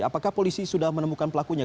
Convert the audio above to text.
apakah polisi sudah menemukan pelakunya